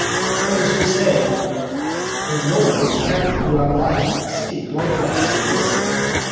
"Those who say that no one can be happy throughout life speak likewise frivolously.